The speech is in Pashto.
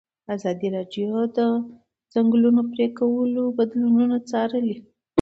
ازادي راډیو د د ځنګلونو پرېکول بدلونونه څارلي.